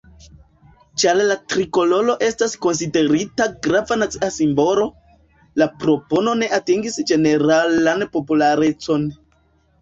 Ĉar la trikoloro estas konsiderita grava nacia simbolo, la propono ne atingis ĝeneralan popularecon.